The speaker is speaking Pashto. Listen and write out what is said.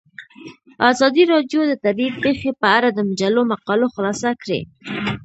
ازادي راډیو د طبیعي پېښې په اړه د مجلو مقالو خلاصه کړې.